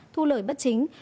thu lời bất chính